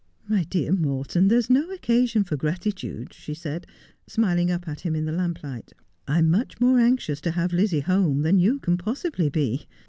' My dear Morton, there is no occasion for gratitude,' she said, smiling up at him in the lamplight. ' I am much more anxious to have Lizzie home than you can possibly be.